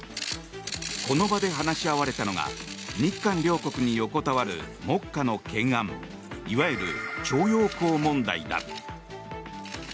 この場で話し合われたのが日韓両国に横たわる目下の懸案いわゆる徴用工問題だ。